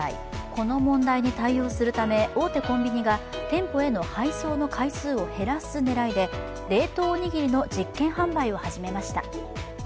この問題に対応するため、大手コンビニが店舗への配送の回数を減らす狙いで冷凍おにぎりの実験販売を始めました。